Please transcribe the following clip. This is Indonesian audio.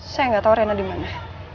saya gak tau rina dimana